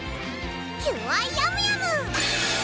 キュアヤムヤム！